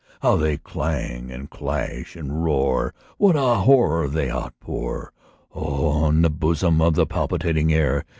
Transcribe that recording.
How they clang, and clash, and roar! What a horror they outpour On the bosom of the palpitating air!